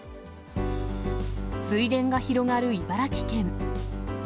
水田が広がる茨城県。